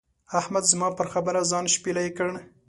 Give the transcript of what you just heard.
احمد زما پر خبره ځان شپېلی کړ.